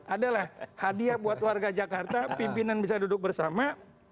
adalah hadiah buat warga jakarta pimpinan bisa duduk bersama